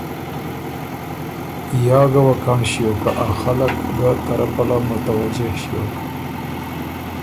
یا ګۀ وکںړ ݭیوک که ا خلق ګۀ ته رۀ پلؤ متوجھ ݭیوک۔